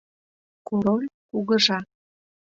Король — Кугыжа!